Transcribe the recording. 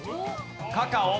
カカオ。